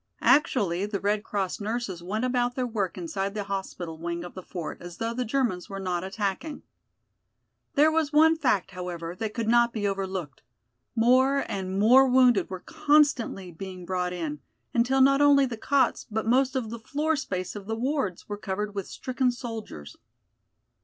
Actually the Red Cross nurses went about their work inside the hospital wing of the fort as though the Germans were not attacking. There was one fact, however, that could not be overlooked: more and more wounded were constantly being brought in, until not only the cots but most of the floor space of the wards were covered with stricken soldiers.